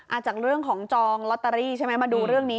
จากเรื่องของจองลอตเตอรี่ใช่ไหมมาดูเรื่องนี้